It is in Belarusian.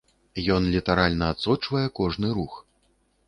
Ён літаральна адсочвае кожны рух.